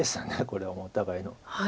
これはお互いの。